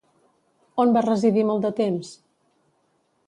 On va residir molt de temps?